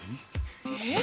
えっ？